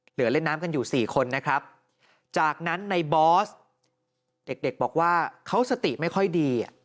เหลือเล่นน้ำกันอยู่สี่คนนะครับจากนั้นในบอสเด็กเด็กบอกว่าเขาสติไม่ค่อยดี